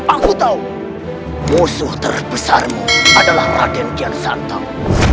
aku tahu musuh terbesarmu adalah raden kian santam